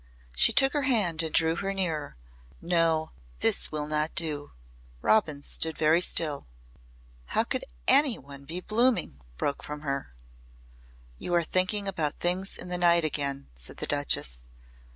She took her hand and drew her nearer. "No. This will not do." Robin stood very still. "How could any one be blooming!" broke from her. "You are thinking about things in the night again," said the Duchess.